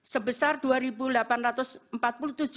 sebesar rp dua delapan ratus empat puluh tujuh